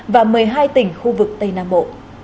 và một mươi hai tỉnh khu vực tây nam bộ